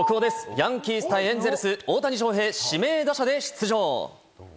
ヤンキース対エンゼルス、大谷翔平、指名打者で出場。